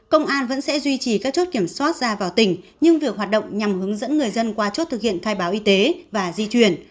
công an vẫn sẽ duy trì các chốt kiểm soát ra vào tỉnh nhưng việc hoạt động nhằm hướng dẫn người dân qua chốt thực hiện khai báo y tế và di chuyển